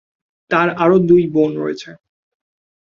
তার আরও দুই বোন রয়েছে।